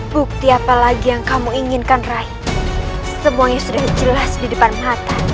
bukti apa lagi yang kamu inginkan rai semuanya sudah jelas di depan mata